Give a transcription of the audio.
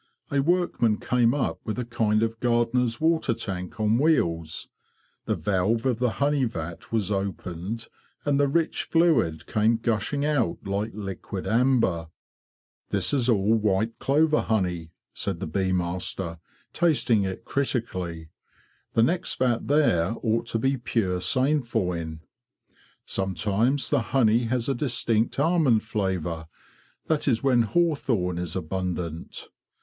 A workman came up with a kind of gardener's water tank on wheels. The valve of the honey vat was opened, and the rich fluid came gushing out like liquid amber. '"' This is all white clover honey,'' said the bee master, tasting it critically. '' The next vat there ought to be pure sainfoin. Sometimes the honey has a distinct almond flavour; that is when hawthorn is abundant.